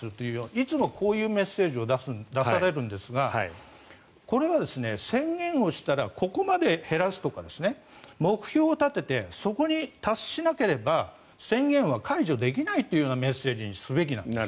いつもこういうメッセージを出されるんですがこれは、宣言をしたらここまで減らしたら目標を立ててそこに達しなければ宣言は解除できないというメッセージにすべきなんです。